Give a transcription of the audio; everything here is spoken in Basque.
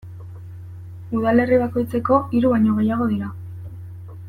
Udalerri bakoitzeko hiru baino gehiago dira.